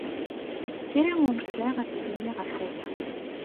Kra ur sɛiɣ ad t-id-iniɣ ɣef aya.